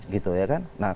gitu ya kan